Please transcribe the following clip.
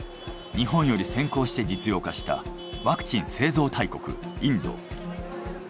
日本より先行して実用化したワクチン製造大国インド。